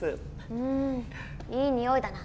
うんいいにおいだな。